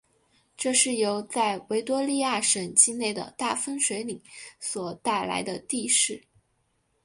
这是由在维多利亚省境内的大分水岭所带来的地势。